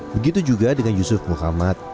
begitu juga dengan yusuf muhammad